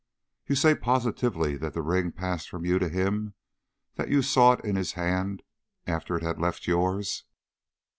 "You say positively the ring passed from you to him; that you saw it in his hand after it had left yours?"